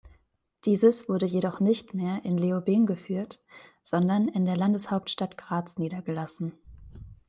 Dieses wurde jedoch nicht mehr in Leoben geführt, sondern in der Landeshauptstadt Graz niedergelassen.